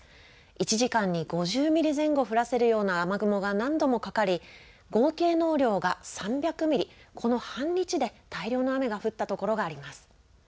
１時間に５０ミリ前後降らせるような雨雲が何度もかかり合計の雨量が３００ミリ、この半日で大量の雨が降ったところがあります。